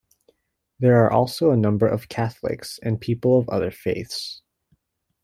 There are also a number of Catholics and people of other faiths.